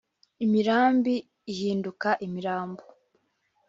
Imirambi ihinduka imirambo